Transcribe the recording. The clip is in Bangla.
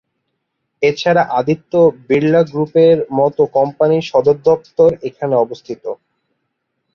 এছাড়া আদিত্য বিড়লা গ্রুপের মত কোম্পানির সদরদপ্তর এখানে অবস্থিত।